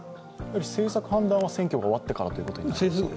政策判断は選挙が終わってからということですか。